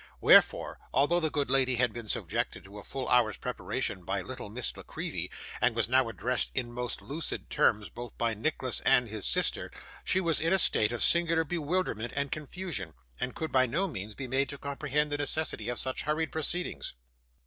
Wherefore, although the good lady had been subjected to a full hour's preparation by little Miss La Creevy, and was now addressed in most lucid terms both by Nicholas and his sister, she was in a state of singular bewilderment and confusion, and could by no means be made to comprehend the necessity of such hurried proceedings.